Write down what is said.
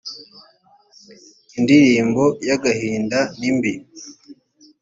indirimbo y agahinda nimbi